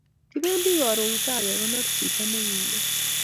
Kipendi karun gaa kekonor chiton ne kime